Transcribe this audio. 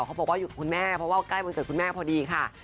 เขาบอกว่าอยู่กับคุณแม่เพราะว่าใกล้วันเกิดคุณแม่พอดีค่ะ